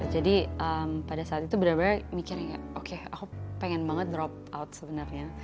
jadi pada saat itu bener bener mikirin ya oke aku pengen banget drop out sebenarnya